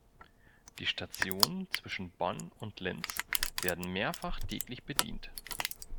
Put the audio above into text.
Die Stationen zwischen Bonn und Linz werden mehrfach täglich bedient.